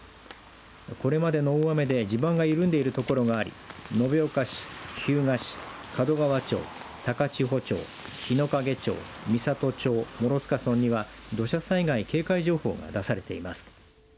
これまでの大雨で地盤が緩んでいるところがあり延岡市、日向市門川町、高千穂町日之影町、美郷町、諸塚村には土砂災害警戒情報が出されています。